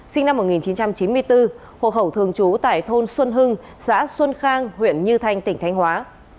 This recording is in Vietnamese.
sinh năm một nghìn chín trăm chín mươi bốn hộ khẩu thường trú tại thôn xuân hưng xã xuân khang huyện như thanh tỉnh thanh hóa